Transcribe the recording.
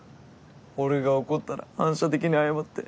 俺が怒ったら反射的に謝って。